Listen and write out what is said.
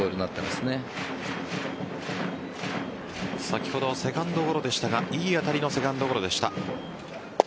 先ほどセカンドゴロでしたがいい当たりのセカンドゴロでした。